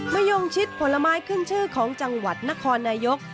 ยงชิดผลไม้ขึ้นชื่อของจังหวัดนครนายก